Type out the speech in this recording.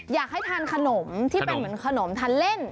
อยากให้ทานขนมที่เป็นเหมือนขนมทานเล่น